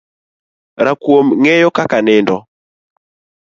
Rakuom ngeyo kaka nindo